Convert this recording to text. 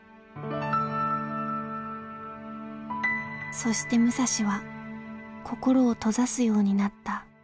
そして武蔵は心を閉ざすようになった。